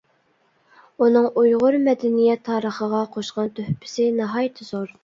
ئۇنىڭ ئۇيغۇر مەدەنىيەت تارىخىغا قوشقان تۆھپىسى ناھايىتى زور.